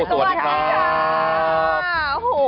สวัสดีครับ